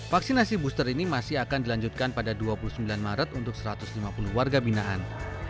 vaksinasi booster ini masih akan dilanjutkan pada dua puluh sembilan maret untuk satu ratus lima puluh warga binaan